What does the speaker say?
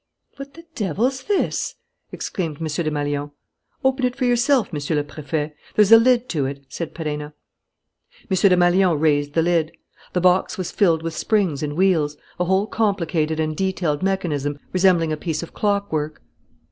"What the devil's this?" exclaimed M. Desmalions. "Open it for yourself, Monsieur le Préfet: there's a lid to it," said Perenna. M. Desmalions raised the lid. The box was filled with springs and wheels, a whole complicated and detailed mechanism resembling a piece of clockwork.